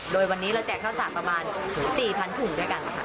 โดยวันนี้เราแจกข้าวสารประมาณ๔๐๐ถุงด้วยกันค่ะ